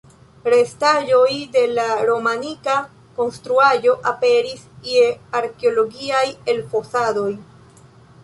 Restaĵoj de la romanika konstruaĵo aperis je arkeologiaj elfosadoj.